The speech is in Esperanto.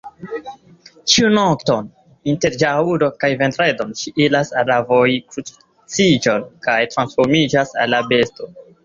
Ĉiun nokton inter ĵaŭdo kaj vendredo, ŝi iras al vojkruciĝo kaj transformiĝas al besto.